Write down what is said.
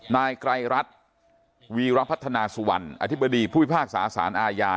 นายไกรรัฐวีรพัฒนาสุวรรณอธิบดีผู้พิพากษาสารอาญา